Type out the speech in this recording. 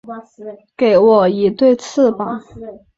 给我一对翅膀